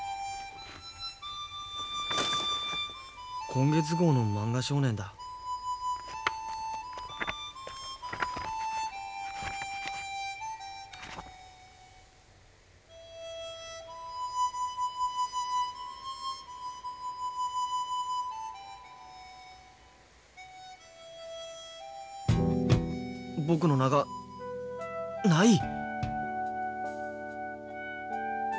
今月号の「漫画少年」だ僕の名がない！